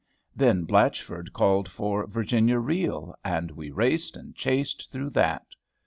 Then Blatchford called for "Virginia Reel," and we raced and chased through that.